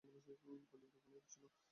পর্যাপ্ত পানিও ছিল।